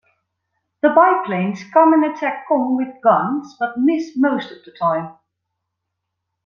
The biplanes come and attack Kong with guns, but miss most of the time.